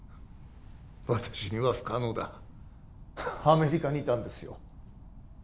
私には不可能だアメリカにいたんですよ